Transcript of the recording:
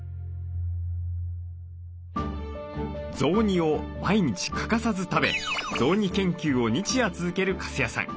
雑煮を毎日欠かさず食べ雑煮研究を日夜続ける粕谷さん。